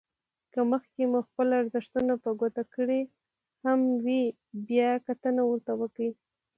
که مخکې مو خپل ارزښتونه په ګوته کړي هم وي بيا کتنه ورته وکړئ.